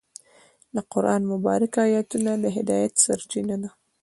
د قرآن مبارکه آیتونه د هدایت سرچینه دي.